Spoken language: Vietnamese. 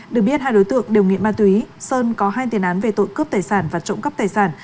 được biết hai đối tượng đều nghiện ma túy sơn có hai tiền án về tội cướp tài sản và trộm cắp tài sản